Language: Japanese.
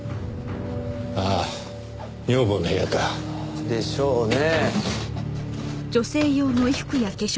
ああ女房の部屋か。でしょうね。